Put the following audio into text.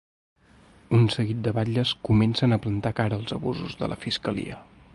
Un seguit de batlles comencen a plantar cara als abusos de la fiscalia.